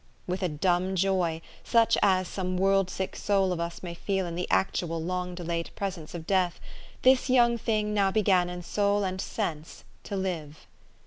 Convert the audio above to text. With a dumb joy, such as some world sick soul of us may feel in the actual, long delayed presence of death, this young thing now began in soul and sense to live.